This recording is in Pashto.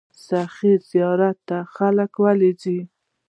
سخي زیارت ته خلک ولې ځي؟